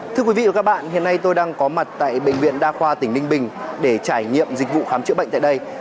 thưa quý vị và các bạn hiện nay tôi đang có mặt tại bệnh viện đa khoa tỉnh ninh bình để trải nghiệm dịch vụ khám chữa bệnh tại đây